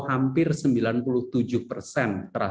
terpakai sekitar enam puluh tujuh puluh tiga triliun atau